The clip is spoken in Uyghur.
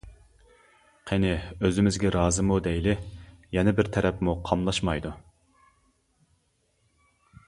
قېنى ئۆزىمىزگە رازىمۇ دەيلى، يەنە بىر تەرەپمۇ قاملاشمايدۇ.